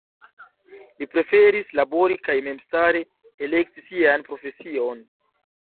Li preferis labori kaj memstare elekti sian profesion.